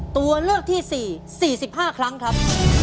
ตัวเลือกที่๔๔๕ครั้งครับ